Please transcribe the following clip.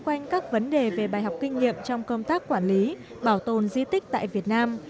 quanh các vấn đề về bài học kinh nghiệm trong công tác quản lý bảo tồn di tích tại việt nam